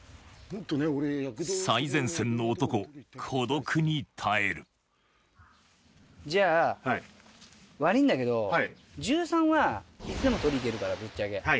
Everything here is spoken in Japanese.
最前線の男孤独に耐えるじゃあ悪いんだけど１３はいつでも取り行けるからぶっちゃけ。